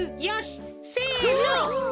よしせの。